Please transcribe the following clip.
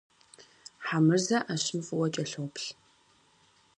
Хьэмырзэ ӏэщым фӏыуэ кӏэлъоплъ.